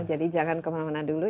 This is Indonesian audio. jadi jangan kemana mana dulu